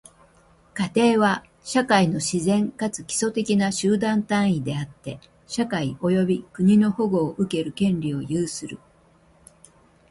家庭は、社会の自然かつ基礎的な集団単位であって、社会及び国の保護を受ける権利を有する。